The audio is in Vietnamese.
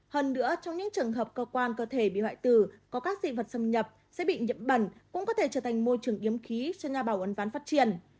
hơn nữa trong những trường hợp cơ quan cơ thể bị hoại tử có các dị vật xâm nhập sẽ bị nhiễm bẩn cũng có thể trở thành môi trường yếm khí cho nhà bảo uẩn ván phát triển